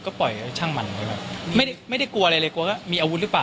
ก็ปล่อยช่างมันไม่ได้ไม่ได้กลัวอะไรเลยกลัวก็มีอาวุธหรือเปล่า